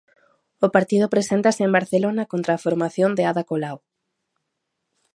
O partido preséntase en Barcelona contra a formación de Ada Colau.